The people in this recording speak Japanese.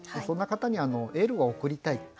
そんな方にエールを送りたい。